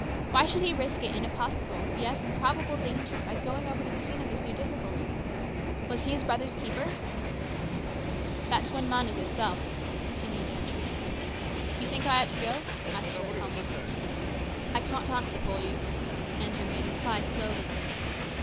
Why should he risk it in a possible, yes, probable danger, by going over to the scene of this new difficulty. Was he his brother's keeper ?" That one man is yourself," continued Andrew. " You think I ought to go ?" asked Stuart calmly. " I cannot answer for you," Andrew made reply slowly.